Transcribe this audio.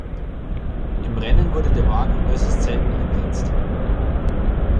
Im Rennen wurde der Wagen äußerst selten eingesetzt.